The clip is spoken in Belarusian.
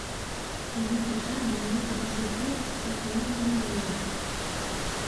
У гэты час да яе падышоў той, што стаяў за вуглом.